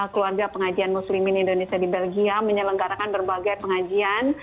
keluarga pengajian muslimin indonesia di belgia menyelenggarakan berbagai pengajian